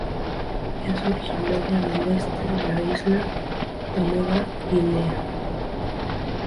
Es originaria del este de la isla de Nueva Guinea.